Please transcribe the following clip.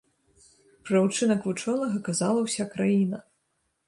Пра ўчынак вучонага казала ўся краіна.